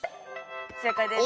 正解です。